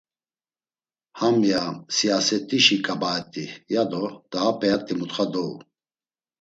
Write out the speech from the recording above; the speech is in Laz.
Ham, ya siyaset̆işi ǩabaet̆i yado daha p̌eat̆i mutxa dou.